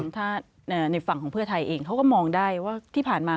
ถ้าในฝั่งของเพื่อไทยเองเขาก็มองได้ว่าที่ผ่านมา